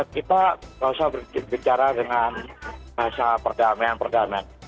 kita gak usah bicara dengan perdamian perdamian